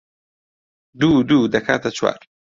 دوو و دوو دەکاتە چوار